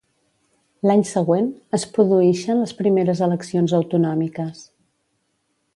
L'any següent, es produïxen les primeres eleccions autonòmiques.